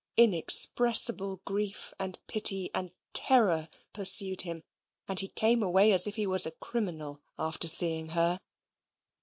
Inexpressible grief, and pity, and terror pursued him, and he came away as if he was a criminal after seeing her.